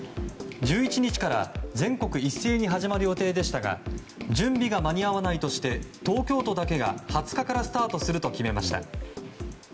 １１日から全国一斉に始まる予定でしたが準備が間に合わないとして東京都だけが２０日からスタートすると決めました。